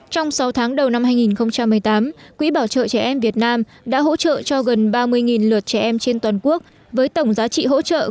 trong sáu tháng đầu năm hai nghìn một mươi tám quỹ bảo trợ trẻ em việt nam đã hỗ trợ cho gần ba mươi lượt trẻ em trên toàn quốc với tổng giá trị hỗ trợ gần hai mươi hai tỷ đồng